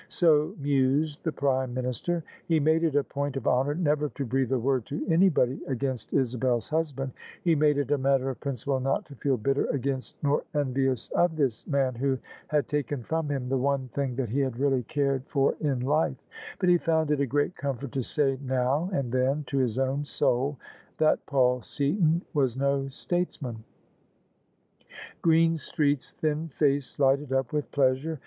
So mused the Prime Minister. He made it a point of honour never to breathe a word to any body against Isabel's husband : he made it a matter of prin ciple not to feel bitter against nor envious of this man who had taken from him the one thing that he had really cared for in life: but he found it a great comfort to say now and then to his own soul that Paul Seaton was no statesman. Greenstreet's thin face lighted up with pleasure.